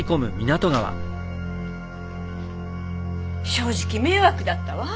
正直迷惑だったわ。